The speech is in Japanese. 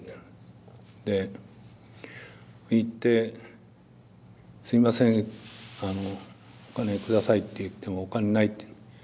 で行って「すいませんお金下さい」って言っても「お金ない」って。